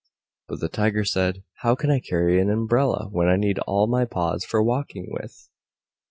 But the Tiger said, "How can I carry an umbrella, when I need all my paws for walking with?"